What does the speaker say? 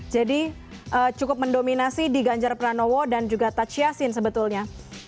jadi cukup mendominasi di ganjar pranowo dan juga tachiasin sebetulnya